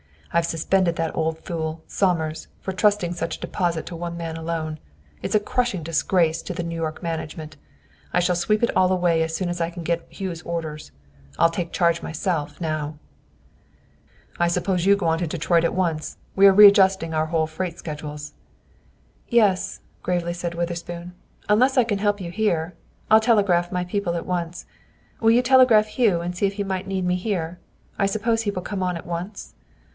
I've suspended that old fool, Somers, for trusting such a deposit to one man alone! It's a crushing disgrace to the New York management. I shall sweep it all away as soon as I can get Hugh's orders. I'll take charge myself, now! "I suppose you go on to Detroit at once. We are readjusting our whole freight schedules!" "Yes," gravely said Witherspoon, "unless I can help you here. I'll telegraph my people at once. Will you telegraph Hugh and see if he might need me here? I suppose he will come on at once."